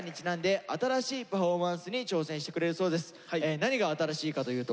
何が新しいかというと。